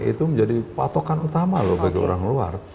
itu menjadi patokan utama loh bagi orang luar